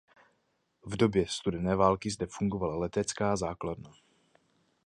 V době studené války zde fungovala letecká základna.